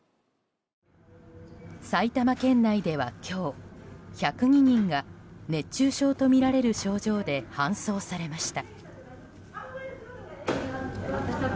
埼玉県内では今日１０２人が熱中症とみられる症状で搬送されました。